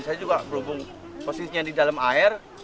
saya juga berhubung posisinya di dalam air